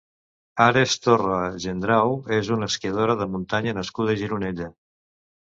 Ares Torra Gendrau és una esquiadora de muntanya nascuda a Gironella.